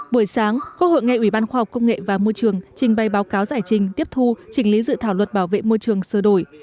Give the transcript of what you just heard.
buổi sáng quốc hội ngay ủy ban khoa học công nghệ và môi trường trình bày báo cáo giải trình tiếp thu trình lý dự thảo luật bảo vệ môi trường sơ đổi